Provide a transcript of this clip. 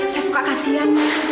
saya suka kasihan